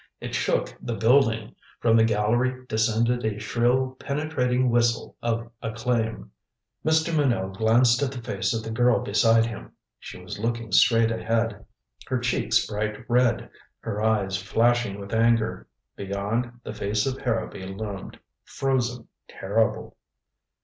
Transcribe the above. It shook the building. From the gallery descended a shrill penetrating whistle of acclaim. Mr. Minot glanced at the face of the girl beside him. She was looking straight ahead, her cheeks bright red, her eyes flashing with anger. Beyond, the face of Harrowby loomed, frozen, terrible.